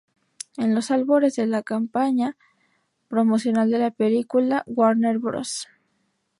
En los albores de la campaña promocional de la película, Warner Bros.